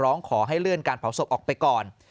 ร้องขอให้เลื่อนการเผาศพออกไปก่อน